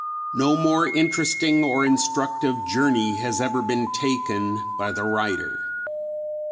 ] No more interesting or instructive journey has ever been taken by the writer.